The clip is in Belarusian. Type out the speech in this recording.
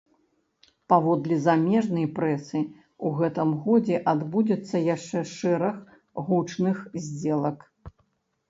Паводле замежнай прэсы, у гэтым годзе адбудзецца яшчэ шэраг гучных здзелак.